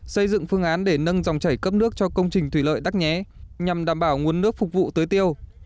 xây dựng phương án để nâng dòng chảy cấp nước cho công trình thủy lợi đắc nhé nhằm đảm bảo nguồn nước phục vụ tới tiêu